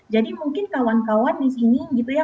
jadi mungkin kawan kawan di sini gitu ya